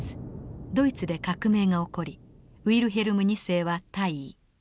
ドイツで革命が起こりウィルヘルム２世は退位。